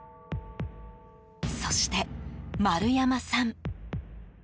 そして、丸山さん。